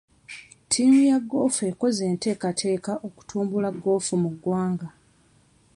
Ttiimu ya goofu ekoze enteekateeka okutumbula goofu mu ggwanga.